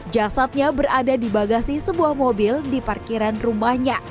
jasadnya berada di bagasi sebuah mobil di parkiran rumahnya